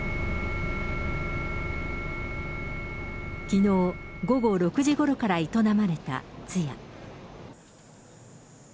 きのう午後６時ごろから営まれた通夜。